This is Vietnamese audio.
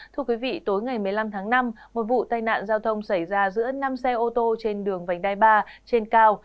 thưa quý vị tối ngày một mươi năm tháng năm một vụ tai nạn giao thông xảy ra giữa năm xe ô tô trên đường vành đai ba trên cao